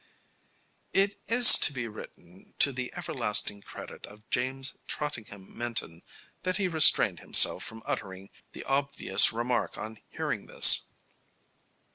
It is to be written to the everlasting credit of James Trottingham Minton that he restrained himself from uttering the obvious remark on hearing this.